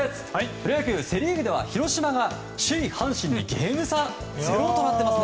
プロ野球セ・リーグでは広島が首位、阪神にゲーム差ゼロとなっています。